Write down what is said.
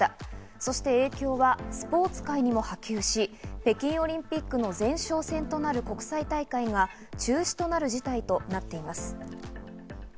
そして今日はスポーツ界にも波及し、北京オリンピックの前哨戦となる国際大会が中止となる事態となっています。